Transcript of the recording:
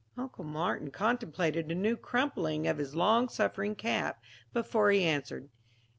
Uncle Martin contemplated a new crumpling of his long suffering cap before he answered.